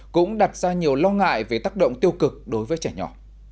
cũng đặt ra nhiều lo ngại về tác động tiêu cực đối với trẻ nhỏ